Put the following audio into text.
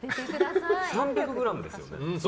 ３００ｇですよね。